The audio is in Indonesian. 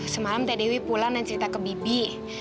semalam teh dewi pulang dan cerita ke bibi